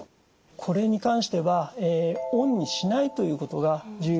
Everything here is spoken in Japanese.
これに関してはオンにしないということが重要になります。